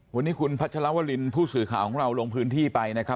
วันนี้คุณพัชรวรินผู้สื่อข่าวของเราลงพื้นที่ไปนะครับ